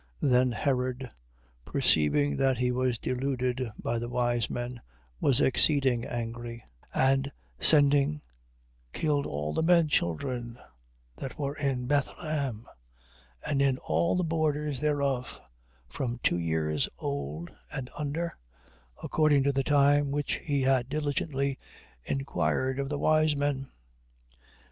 2:16. Then Herod perceiving that he was deluded by the wise men, was exceeding angry: and sending killed all the menchildren that were in Bethlehem, and in all the borders thereof, from two years old and under, according to the time which he had diligently inquired of the wise men.